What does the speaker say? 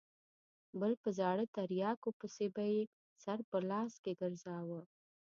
بل په زاړه تریاکو پسې به یې سر په لاس کې ګرځاوه.